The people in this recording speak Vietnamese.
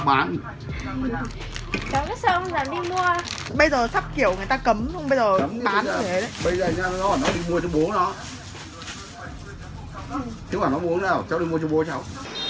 chứ bảo nó mua không nào cháu đi mua cho bố cháu